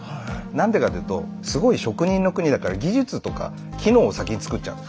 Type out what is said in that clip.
何でかというとすごい職人の国だから技術とか機能を先に作っちゃう。